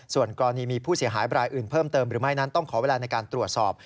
ส่วนกรณีมีผู้เสียหายบรายอื่นเพิ่มเติมหรือไม่นั้นต้องขอเวลาในการตรวจสอบ